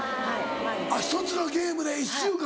１つのゲームで１週間。